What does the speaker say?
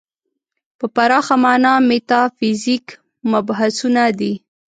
په پراخه معنا میتافیزیک مبحثونه دي.